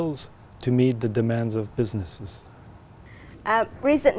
về kỹ thuật để đối mặt với nguồn khách hàng